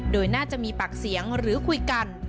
โดยน่าจะมีปากเสียงหรือคุยกัน